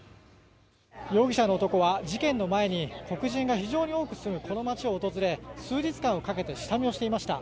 容疑者の男は事件の前に黒人が非常に多く住むこの街を訪れ数日間かけて下見をしていました。